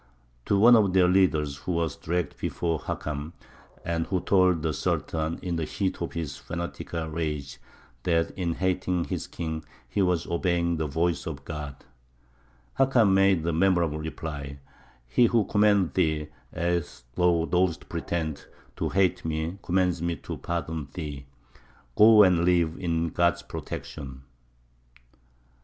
To one of their leaders, who was dragged before Hakam, and who told the Sultan, in the heat of his fanatical rage, that in hating his king he was obeying the voice of God, Hakam made the memorable reply: "He who commanded thee, as thou dost pretend, to hate me, commands me to pardon thee. Go and live, in God's protection!"